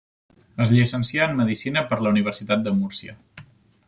Es llicencià en Medicina per la Universitat de Múrcia.